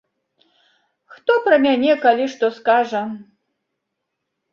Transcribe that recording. Хто пра мяне калі што скажа!